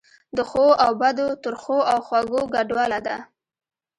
د ښو او بدو، ترخو او خوږو ګډوله ده.